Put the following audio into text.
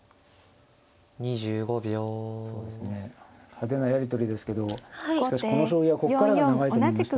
派手なやり取りですけどしかしこの将棋はここからが長いと思いました。